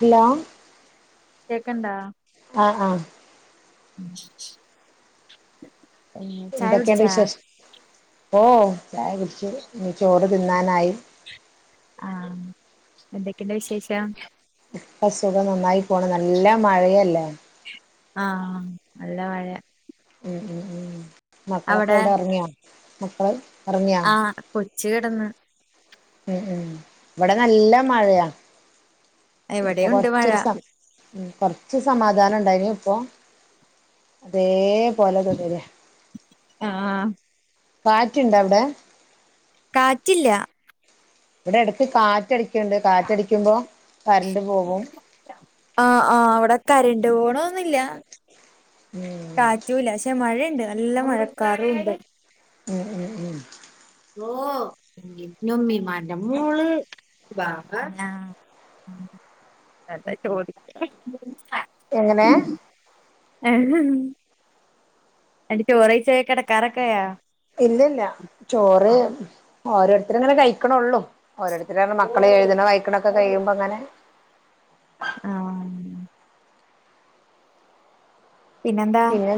Hello കേക്ക്ണ്ടാ ആഹ് ആഹ് ചായ എന്തൊക്കെ ഇണ്ട് കുടിച്ചാ വിശേഷ്. ഓഹ് ചായ കുടിച്ചു ഇനി ചോറ് തിന്നാനായി. ആഹ് എന്തൊക്കെ ഇണ്ട് വിശേഷം. ഇപ്പ സുഖം. നന്നായി പോണ്. നല്ല മഴയല്ലേ. ആം നല്ല മഴ ഉം ഉം ഉം മക്കളൊക്കെ അവിടെ എവിടെ. ഒറങ്ങ്യാെ. മക്കള് ഉറങ്ങിയോ ആഹ് കൊച്ച് കെടന്ന് ഉം ഉം ഇവടെ നല്ല മഴയാ. ഇപ്പൊ ഇവിടെയുണ്ട് മഴ കൊറച്ചൊരു സം ഉം കൊറച്ച് സമാധാനം ഉണ്ടായിനൂ ഇപ്പോ. അതേപോലെ തുടര. ആഹ് കാറ്റുണ്ടൊ ഔടെ. കാറ്റ് ഇല്ല. ഇവെടെ എട്ക്ക് കാറ്റടിക്ക്ണ്ട്. കാറ്റടിക്കുമ്പോ കറണ്ട് പോകും. ആഹ് ആഹ്. ഇവിടെ കരണ്ട് പോണോന്നും ഇല്ലാ ഉം റ്റൂലാ. പക്ഷെ മഴയുണ്ട് നല്ല മഴക്കാറും ഇണ്ട് ഉം ഉം ഉം ഓഹ് നൊമ്മിമാന്റെ മോള് ബാ [unintelligible] [unintelligible] ഉം [unintelligible] [unintelligible] എങ്ങനെ. ഏഹ് എടി ചോറെയ്ച്ച് കെടക്കാറൊക്കെ ആയോ? ഇല്ലെല്ല. ചോറ് ഓരോരുത്തര് ഇങ്ങനെ കഴിക്ക്ണൊള്ളു. ഓരോരുത്തരാറ്ണ മക്കള് എഴുത്ണ വായിക്ക്ണൊക്കെ കഴിയുമ്പ അങ്ങനെ. ആഹ് പിന്നെന്താ പിന്നെ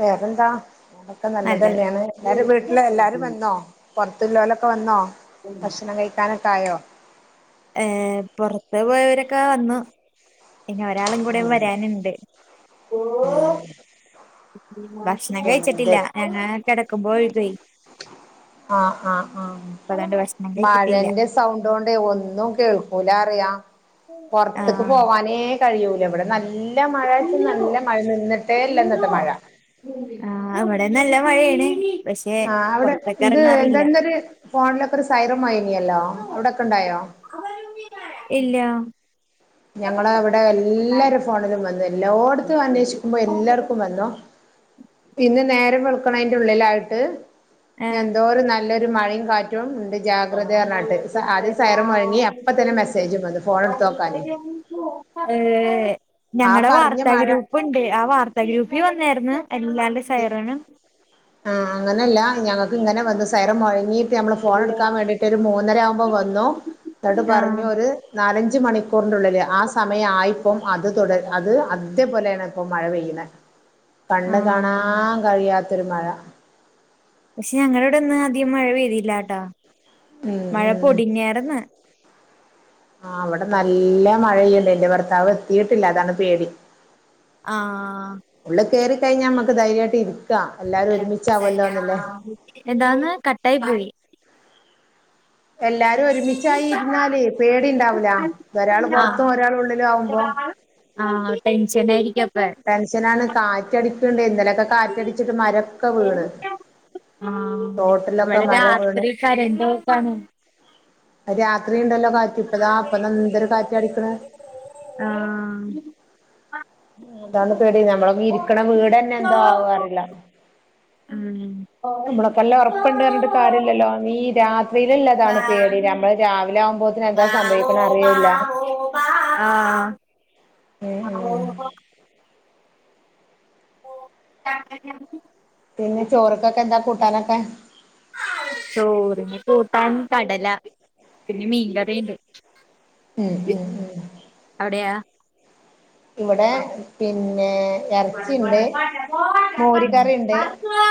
വേറെന്താ. വടൊക്കെ നല്ലത്. നല്ലതെന്ന്യാണ്. എല്ലാരും വീട്ടില് എല്ലാരും വന്നോ പൊറ്ത്തില്ലോലൊക്കെ വന്നോ. ഭക്ഷണം കഴിക്കാനൊക്കെ ആയോ. ഏ പൊറത്ത് പോയവരൊക്കെ വന്നു. ഇനി ഒരാളും കൂടെ വരാന്ണ്ട്. ഉം ഭക്ഷണം എന്ത് കഴിച്ചിട്ടില്ല ഞങ്ങ കെടക്കുമ്പോ വെഴുകേ അഹ് അഹ് ആഹ് കഴിച്ചിട്ടില്ല. മഴന്റെ സൗണ്ടോണ്ടെ ഒന്നും കേൾക്കൂലാറിയാം പൊറ്ത്ത്ക്ക് ആഹ് പോവാനേ കഴിയൂല ഇവിടെ നല്ല മഴച്ചാ നല്ല മഴ നിന്നിട്ടേ ഇല്ല ഇന്നത്തെ മഴ ആഹ് ഇവിടേ നല്ല മഴയേണ് ആഹ് അവിടെ ഇത് എന്തന്നൊരു ഫോണിലൊക്കെ ഒരു സൈറം മൊയിനിയല്ലോ അവിടൊക്കെ ഉണ്ടായോ ഇല്ലാ ഞങ്ങളെ ഇവിടെ എല്ലാരെ ഫോണിലും വന്ന് എല്ലോട്ത്തും അന്വേഷിക്കുമ്പോ എല്ലാർക്കും വന്നു പിന്നെ നേരം വെള്ക്ക്ണേന്റെ ഉള്ളിലായിട്ട് എന്തോരു നല്ലൊരു മഴയും കാറ്റു ഏറ്റവും ഉണ്ട് ജാഗ്രതാ അർണാട്ട് സ ആദ്യം സൈറം മുഴങ്ങി അപ്പ തന്നെ ഏഹ് മെസ്സേജും വന്നു ഫോണ് ഇട്ത്തോക്കാനേ [unintelligible] ഏഹ് ആ ഞങ്ങളെ പറഞ്ഞ വാർത്താ മഴ ഗ്രൂപ്പ്ണ്ട് ആ വാർത്ത ഗ്രൂപ്പിൽ വന്നായിരുന്നു എല്ലാണ്ട് സൈറനും ആഹ് അങ്ങനെല്ല ഞങ്ങക്ക് ഇങ്ങനെ വന്ന് സൈറം മൊഴങ്ങിയിട്ട് ഞമ്മളെ ഫോൺ എട്ക്കാൻ വേണ്ടിയിട്ട് ട്ടൊരു മൂന്നര ആവുമ്പോ വന്നു ന്നെട്ട് പറഞ്ഞു ആഹ് ഒര് നാലഞ്ച് മണിക്കൂറിന്റെ ഉള്ളില് ആ സ സമയായിപ്പം അത് ത്തൊടര് അത് അതേപോലെയാണ് ഇപ്പം മഴ പെയ്യുന്നെ കണ്ണ് കാണാ ആഹ് ആൻ കഴിയാത്തൊരു മഴ പക്ഷെ ഞങ്ങളെ ഇവിടെ ഇന്ന് അധികം മഴ പെയ്തിയില്ലാട്ടാ ഉം മഴ ഉം പൊടിഞ്ഞേറ്ന്ന് ആഹ് ഇവിടെ നല്ല മഴയെയ്ണ്ട് ഇന്റെ ഭർത്താവ് എത്തിയിട്ടില്ല അതാണ് പേടി ആഹ് ഉള്ളള് കേറി കഴിഞ്ഞാ അമ്മക്ക് ധൈര്യായിട്ട് ഇരിക്കാം എല്ലാരും ഒരുമിച്ചാവല്ലോന്നില്ലേ എന്താന്ന് കട്ടായി പോയി എല്ലാരും ഒരുമിച്ചായി ഇരുന്നാല് പേടി ഇണ്ടാവൂല തൊഒരാൾ ആഹ് പുറത്തും ഒരാൾ ഉള്ളിലും ആവുമ്പോ ആഹ് ടെൻഷനേയിരിക്കപ്പെ ടെൻഷനാണ് കാറ്റടിക്ക്ണ്ടെയ് ഇന്നലൊക്കെ കാറ്റടിച്ചിട്ട് മരൊക്കെ വീണ് ആഹ് തോട്ടിലൊക്കെ ഇവിടെ രാത്രി കരണ്ട് പോക്കാണ് അഹ് രാത്രി ഇണ്ടല്ലോ കാറ്റ് ഇപ്പതാ ഇപ്പം എന്തൊരു കാറ്റ് അടിക്ക്ണ് ആഹ് അതാണ് പേടി നമ്മള് ഇരിക്ക്ണെ വീടെ ഞ്ഞ് എന്തൊ ആവാ അറീല നമ്മളെ പോലെ [unintelligible] ഇപ്പണ്ടീ അറ്ഞ്ഞിട്ട് കാര്യല്ലല്ലോ ആമീൻ രാത് വെയിലുള്ളതാണ് പേടി നമ്മള് രാവിലെ ആവുമ്പോത്തിനും എന്താ സംഭവിക്ക്ണെ അറിയൂല്ല പാ ആഹ് ഉം ഉം ഓ [unintelligible] പിന്നെ ചോറക്കൊക്കെ എന്താ കൂട്ടാനൊക്കെ ചോറിന് കൂട്ടാൻ കടല പിന്നെ മീങ്കറിയുണ്ട് ഉം -ഉം- ഉം അവിടെയാ ഇവിടെ പിന്നേ കറിണ്ട് [unintelligible]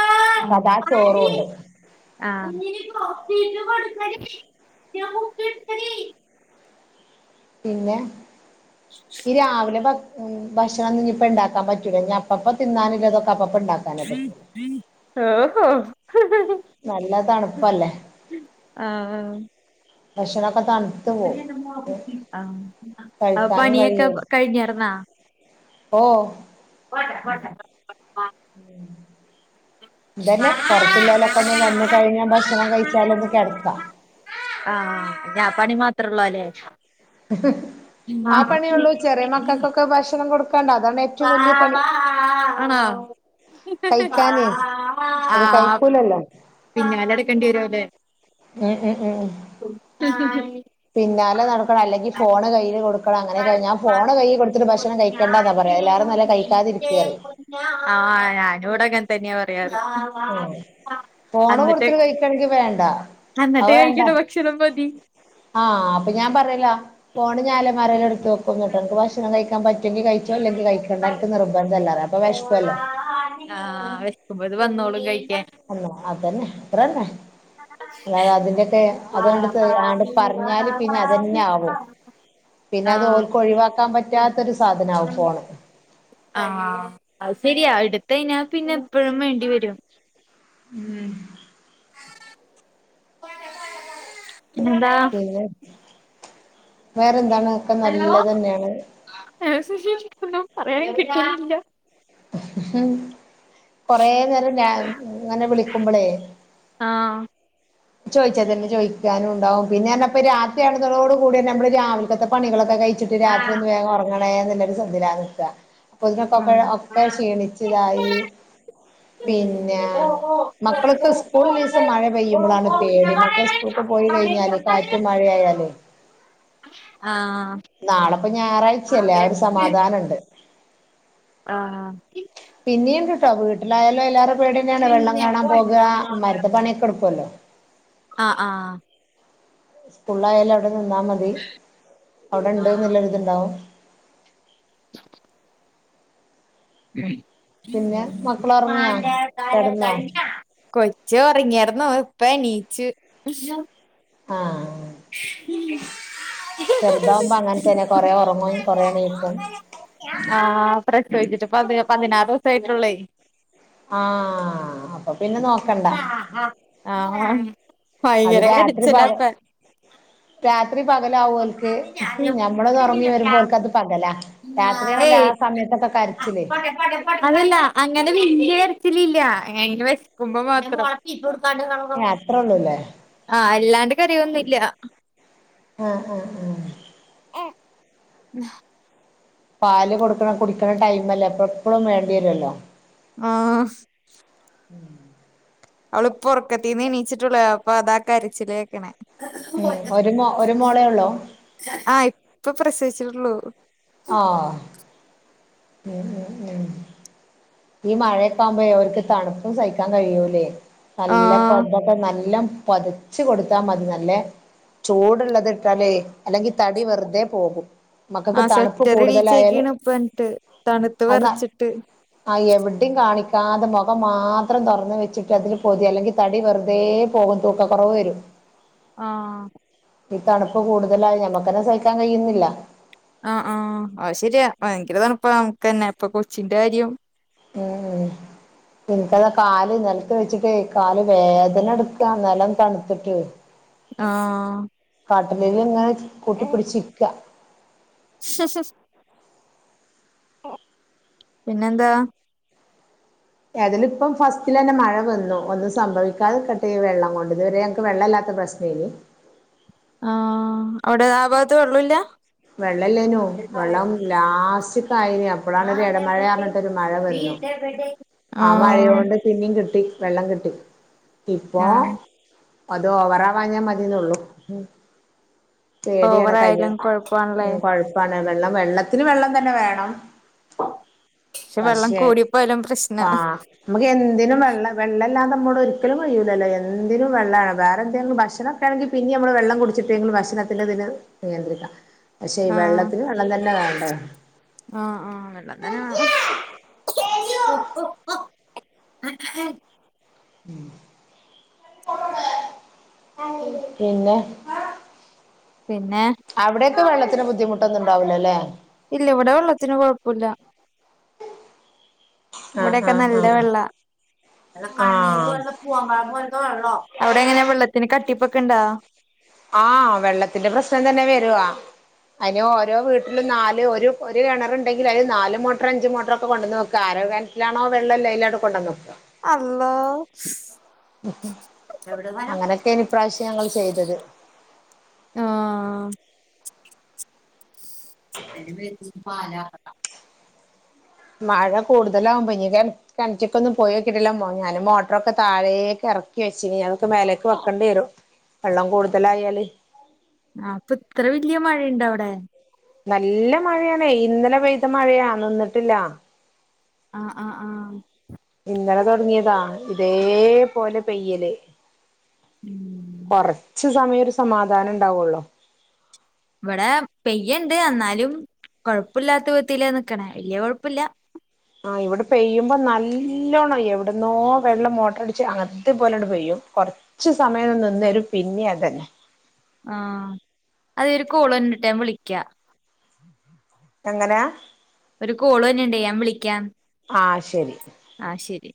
സാദാ ചോറുണ്ട് ഉം ആഹ് പിന്നെ [inaudible] ഈ രാവിലെ ഭ ഉം ഭക്ഷണം ഇന്ന്ഞിപ്പ ഇണ്ടാക്കാ പറ്റൂല ഇനി അപ്പപ്പൊ തിന്നാന്ല്ലതൊക്കെ അപ്പപ്പൊ ഇണ്ടാ ആഹാ നല്ല തണുപ്പല്ലെ ആഹ് ഭക്ഷണൊക്ക തണു ആഹ് അപ്പ കഴിക്കാനും പണിയൊക്ക കഴിഞ്ഞാർന്നാ ഓഹ് വേണ്ട വേണ്ട ഉം ഇതന്നെ പൊറ്ത്തുല്ലോലൊക്കൊന്ന് വന്ന് കഴിഞ്ഞ ഭക്ഷണം കഴിച്ചാലൊന്ന് കെടക്ക ആഹ് ഇതാ പണി മാത്രൊള്ളു അല്ലെ ആഹ് പണിയൊള്ളൂ ചെറിയ മകക്കൊക്കെ ഭക്ഷണം കൊട്ക്കാണ്ട് അതാണ് ഏറ്റവും വലിയ പണി ആണോ കഴിക്കാന് അത് കഴിക്കൂലല്ലൊ പിന്നാലട്ക്കെണ്ടി വരൊലെ ഉം ഉം ഉം [unintelligible] പിന്നാലെ നട്ക്കണം അല്ലെങ്കി ഫോണ് കയ്യില് കൊട് മക്കള അങ്ങനൊക്കെ ഞാൻ ആഹ് ഫോണ് കയ്യി കൊട്ത്തിട്ട് ഭക്ഷണം കഴിക്കണ്ടാന്ന പറയ എല്ലാരും കുഞ്ഞാടേനും നല്ല നിന്റെ കഴിക്കാതിരിക്ക് അറിം ആഹ് ഞാനു ഇവ്ടെ അങ്ങൻ തന്നെ പറയാറ് ഓഹ് ഫോണ് അന്നിട്ട് കൊട്ത്തിട്ട് കഴിക്കാണെങ്കി വേണ്ട അന്നിട്ട് അത് വേണ്ട കഴിക്ക്ണ ഭക്ഷണം മതി ആഹ് അപ്പ ഞാൻ പറയലൊ ഫോണ് ഞാന അലമാറീല് എടുത്ത് വെക്കും ഇന്ന്ട്ട് അനക്ക് ഭക്ഷണം കഴിക്കാ പറ്റൊങ്കി കഴി ഇല്ലെങ്കി കഴിക്കണ്ട എനിക്ക് നിർബന്ധം ഇല്ല അറയ് അപ്പൊ വെഷ്ക്കുവല്ലൊ ആഹ് വെശ്ക്കുമ്പൊ ഇത് വന്നോളും കഴിക്കാൻ അള്ള അതന്നെ ഇത്രന്നെ അല്ലാതെ അതിന്റെയൊക്കെ വാ അതുകണ്ടത്ത് വാ ആണ്ട് വി വാ പറ്ഞ്ഞാല് പിന്നെ വാ വി അതന്നെ വാ ആവും പിന്നെ അത് ആഹ് ഓൽക്ക് ഒഴിവാക്കാ പറ്റാത്തൊരു സാധനാവും ഫോണ് ആഹ് അത് ശരിയാ ഇടുത്ത് കഴിഞ്ഞാ പിന്നെ എപ്പഴും വേണ്ടിവരും ഉം പിന്നെന്താ വേറെന്താണ് ഒക്ക നല്ലതെന്നേണ് ആസ്ഊഷ്വൽ ഒന്നും പറയാൻ കിട്ട്ന്നില്ല കൊറേ നേരം ഞാൻ ഇങ്ങനെ വിളിക്കുമ്പളേ ആഹ് ചോയിച്ച തന്നെ ചോയിക്കാനുണ്ടാവും പിന്നാർഞപ്പ ഈ രാത്രിയാവ്ണതോട് കൂടി നമ്മള് രാവിൽകത്ത പണികളൊക്ക കഴി ച്ചിട്ട് രാത്രി ആഹ് ഒന്ന് വേഗം ഒറ്ങ്ങണേ എന്നുള്ളൊരു സംവിധാനം നിക്ക അപ്പൊ ഇതിനൊക്കൊക്കെ ആഹ് ഒക്ക ക്ഷീണിച്ചിതായി ആഹ് പിന്നെ മക്കള്ക്ക് സ്കൂൾ ലീസം മഴ പെയ്യുമ്പളാണ് ആഹ് പേടി മക്കള് സ്കൂൾ ക്ക് പോയി കഴിഞ്ഞാല് കാറ്റും മഴയു ആയാല് നാളപ്പ ഞായറാഴ്ചയല്ലെ ആഹ് ഒരു സമാധാനണ്ട് ആഹ് പിന്നീണ്ട് ട്ടോ വീട്ട്ലായാലും ഐലേറെ പേട്യന്നേണ് വെള്ളം കാണാം പോക അമ്മാര്ത്തെ പണിയൊക്കട്ക്കോലൊ ആഹ് ആഹ് സ്കൂൾലായാലും അവടെ നിന്നാ മതി അവടെണ്ട് ന്ന്ള്ളൊര് ഇതിണ്ടാവും [unintelligible] പിന്നെ മക്കള് ഉറങ്ങിയാ ന്റെ കാലം കിടന്നോ കഴിഞ്ഞ കൊച്ച് ഒർങ്ങ്യാറ്ന്നു ഇപ്പണീച്ച് ആഹ് ചെറുതാവുമ്പ അങ്ങൻ തന്നെ കൊറേ ഒറങ്ങും കൊറെ ണീക്കും ആഹ് പ്രസവിച്ച്ട്ട് പതി പതിനാറ് ദിവസായ്റ്റൊല്ലോയ് ആഹ് അ അപ്പ പിന്നെ നോക്കണ്ട ആഹ് അത് ഭയങ്കര രാത്രി പക കരച്ചിലാപ്പ രാത്രി പകലാവോൽക്ക് ഞമ്മളൊന്ന് ഒർങ്ങി വരുമ്പോ ഓൽക്കത് പകലാ രാത്രീണല്ലേ ഏയ് ആ സമയത്തൊക്കെ കരച്ചില് അതല്ല അങ്ങനെ വെല്ല്യേ കരച്ചിലില്ല ഐന് വെഷ്ക്കുമ്പോ മാത്രം ഏഹ് അത്രേ ഉള്ളൂല്ലേ ആഹ് അല്ലാണ്ട് കരയൊന്നുല്ല ആഹ് ആഹ് ആഹ് ഉം പാല് കൊട്ക്ക്ണെ കുടിക്ക്ണെ ടൈമല്ലെപ്പൊ എപ്പളും വേണ്ട്യേരോലോ ആഹ് അവള് പ്പൊ ഒറക്കത്തീന്ന് ണീച്ച്ട്ടൊള്ളു അപ്പൊ അതാ കരിച്ചിലേക്ക്ണെ ഏഹ് ഒരു മോ ഒരു മോളേഒള്ളോ ആഹ് ഇപ്പ പ്രസവിച്ച്ട്ട്ള്ളൂ ആഹ് ഉം ഉം ഉം ഈ മഴയൊക്കാവുമ്പളേയ് ഓൽക്ക് തണുപ്പും സഹിക്കാൻ കഴിയൂലേ ആ നല്ല പ നല്ലോം പൊതച്ച് കൊട്ത്താ മതി നല്ലെ ചൂട്ള്ളത് ട്ടാലേ അല്ലെങ്കി തടി വെർതേ പോകും മക്കക്ക് തണ്പ്പ് കൂടുതലായാല് ട്ട് തണ്ത്ത് അത് വെറച്ച്ട്ട് ആഹ് എവ്ടീം കാണിക്കാതെ മൊഖം മാത്രം തൊറന്ന് വെച്ച്ട്ട് അതില് പൊത്യാ അല്ലെങ്കിൽ തടി വെർതേ പോകും തൂക്ക കൊറവ് വെരും ആഹ് ഈ തണ്പ്പ് കൂടുതലായ ഞമ്മക്കെന്നെ സഹിക്കാൻ കഴിയ്ന്നില്ല ആഹ് ആഹ് അത് ശെരിയാ ഭയങ്കര തണ്പ്പാ നമുക്കെന്നെ അപ്പ കൊച്ചിന്റെ കാര്യം ഉം ഇനിക്കതാ കാല് നെലത്ത് വെച്ച്ട്ടെയ് കാല് വേ ദന ട്ക്കാ നെലം തണ്ത്ത്ട്ട് ആഹ് കട്ട്ലേല് ലിങ്ങനെ കൂട്ടിപ്പിടിച്ചിരിക്കാ പിന്നെന്താ ഏതില ഇപ്പം ഫസ്റ്റിൽ തന്നെ മഴ വന്നു ഒന്നും സംഭവിക്കാതെ രിക്കട്ടെ വെള്ളം കൊണ്ട് ഇതുവരെ ഞങ്ങക്ക് വെള്ളല്ലാത്ത പ്രശ് നേന്നു ആഹ് അവടെ ആ ഭാഗത്ത് വെള്ളോല്ല വെള്ളല്ലേയ്നു വെള്ളം ലാസ്റ്റ് ക്കായേന അപ്പളാണ് ഇടമഴ പർഞ്ഞിട്ടൊര് മഴ വന്നു ആ മഴയോണ്ട് പിന്നീം കിട്ടി വെള്ളം കിട്ടി ഇപ്പോ ആ അത് ഓവറാവാഞ്ഞാ മതിന്നൊള്ളൂ ഓവറായാലും കൊഴ്പ്പാണ് ലേ കൊഴ്പ്പാണ് വെള്ളം വെള്ളത്തിന് വെള്ളം തന്നെ വേണം വെള്ളം പക്ഷെ കൂടിപ്പോയാലും പ്രശ്നാ ആഹ് നമുക്ക് എന്തിനും വെള്ള വെള്ളല്ലാതെ നമ്മോട് ഒരിക്കലും കഴിയൂലല്ലോ എന്തിനും വെള്ളാണ് വേറെ എന്തെങ്കിലും ഭക്ഷണം. ക്കേണെങ്കി പിന്നിം അമ്മള് വെള്ളം കുടിച്ചിട്ടേങ്കിലും ഭക്ഷണത്തിന്റെ തിനെ നിയന്ത്രിക്കാം. പക്ഷെ ഈ ആ വെള്ളത്തിന് വെള്ളം തന്നെ വേണ്ടേ. ആ ആ വെള്ളം തന്നെ വേണം. [unintelligible] ഉം പിന്നെ പിന്നെ അവ്ടെയൊക്കെ വെള്ളത്തിന് ബുദ്ധിമുട്ട് ഒന്നും ഉണ്ടാവില്ലല്ലേ. ഇല്ല ഇവടെ വെള്ളത്തിന് കൊഴ്പ്പൊല്ല. ആഹ് ഇവടെക്കെ ആഹ് നല്ല ആഹ് വെള്ളാ. നല്ല കണ്ണീര് ആഹ് പോൽത്തെ പൂവൻ പഴം പോൽത്തെ വെള്ളോ അവ്ടെങ്ങനെ വെള്ളത്തിന് കട്ടിപ്പ് ഒക്കെ ഉണ്ടോ. ആ വെള്ളത്തിന്റെ പ്രശ്നം തന്നെ വരുവാ. അയ്ന് ഓരോ വീട്ട്ലും നാല് ഒരു ഒരു കെണറ്ണ്ടെങ്കില് അതില് നാല് മോട്ടർ അഞ്ച് മോട്ടറൊക്കെ കൊണ്ടന്നു വെക്ക ആര കെൻ എയ്ലാണോ വെള്ളല്ലേ അയ്ലാണ്ട് കൊണ്ടെന്നെക്കാ അള്ളോ. അങ്ങനൊക്കെയ്ന് ഇപ്രാവശ്യം ഞങ്ങൾ ചെയ്തത്. ആഹ്. [unintelligible] മഴ കൂടുതലാവുമ്പ ഇനി കെ കെൺറ്റ്ക്കൊന്നും പോയോക്കീട്ടില്ല മൊ ഞാന് മോട്ടറൊക്കെ താഴേക്ക് എറക്കി വെച്ചിന് അതൊക്കെ മേലേക്ക് വെക്കണ്ടിരും. വെള്ളം കൂടുതലായാല്. ആ പ്പ് ഇത്ര വല്ല്യ മഴയ്ണ്ട അവ്ടേ നല്ല മഴയാണേയ് ഇന്നലെ പെയ്ത മഴയാ നിന്നിട്ടില്ല. ആഹ് ആഹ് ആഹ് ഇന്നലെ തുടങ്ങിയതാ ഇതേ പോലെ പെയ്യല്. ഉം കൊർച്ച് സമയം ഒരു സമാധാനം ണ്ടാവുള്ളോ. ഇവടെ പെയ്യുണ്ട് എന്നാലും കൊഴപ്പല്ലാത്ത വിധത്തില നിക്കണേ വല്യ കൊഴപ്പല്ല. ആ ഇവടെ പെയ്യുമ്പോ നല്ലോണം. എവ്ടന്നോ വെള്ളം മോട്ടർ അടിച്ച് അത് പോലെണ്ട് പെയ്യും. കൊറ കൊർച്ച് സമയം നിന്നരും പിന്നിം അതന്നെ. ആ അതെ ഒരു കോള് വര്ന്ണ്ട് ട്ടാ ഞാൻ വിളിയ്ക്ക. എങ്ങനെയാ ഒരു കോള് വര്ന്ണ്ട് ഞാൻ വിളിക്കാം. ആഹ് ശരി. ആഹ് ശരി.